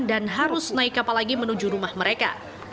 dan harus naik kapal lagi menuju rumah mereka